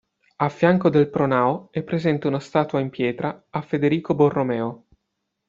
A fianco del pronao è presente una statua in pietra a Federico Borromeo.